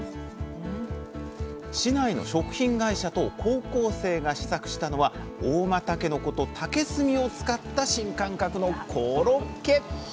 市内の食品会社と高校生が試作したのは合馬たけのこと竹炭を使った新感覚のコロッケ！